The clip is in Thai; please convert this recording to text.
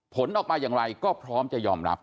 ผลออกมาอย่างไรก็พร้อมจะยอมรับ